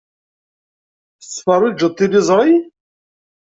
Tettfeṛṛiǧeḍ tiliẓṛi?